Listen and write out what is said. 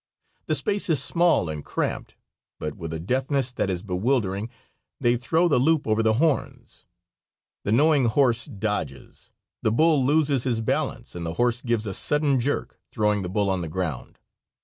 The space is small and cramped, but with a deftness that is bewildering they throw the loop over the horns. The knowing horse dodges, the bull loses his balance and the horse gives a sudden jerk, throwing the bull on the ground.